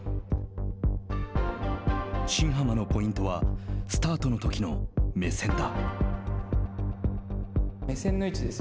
新濱のポイントはスタートのときの目線だ。